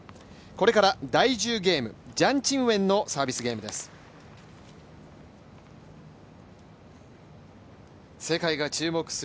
これから第１０ゲーム、ジャン・チンウェンのサービスゲームです。